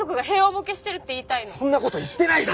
そんな事言ってないだろ！